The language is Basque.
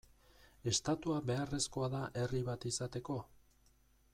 Estatua beharrezkoa da herri bat izateko?